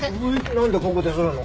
なんでここでするの？